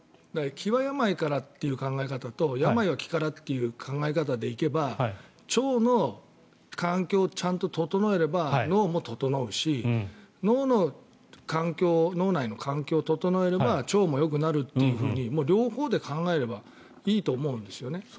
気は病からという考え方と病は気からっていう考え方でいけば腸の環境をちゃんと整えれば脳も整うし脳内の環境を整えれば腸内もよくなるって両方で考えればいいと思うんですよね。